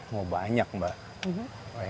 mau banyak mbak